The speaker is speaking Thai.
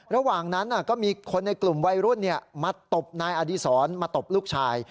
ระหว่างนั้นก็มีคนในกลุ่มวัยรุ่นมาตบนายอดีศรมาตบลูกชาย